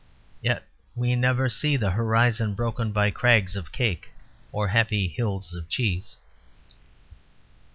Yet we never see the horizon broken by crags of cake or happy hills of cheese.